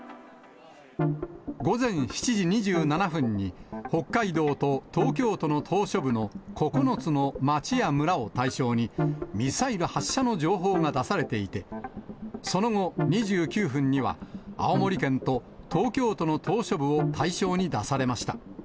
午前７時２７分に、北海道と東京都の島しょ部の９つの町や村を対象に、ミサイル発射の情報が出されていて、その後、２９分には青森県と東京都の島しょ部を対象に出されました。